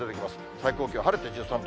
最高気温、晴れて１３度。